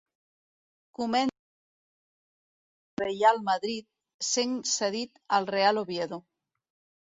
Comença en els filials del Reial Madrid, sent cedit al Real Oviedo.